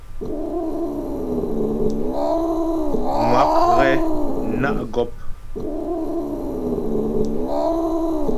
Ŋwa' ghɛ ná' gɔ́p.